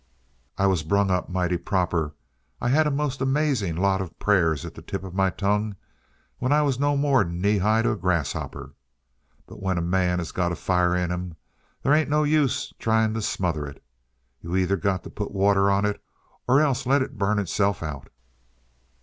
"I was brung up mighty proper. I had a most amazing lot of prayers at the tip of my tongue when I wasn't no more'n knee high to a grasshopper. But when a man has got a fire in him, they ain't no use trying to smother it. You either got to put water on it or else let it burn itself out.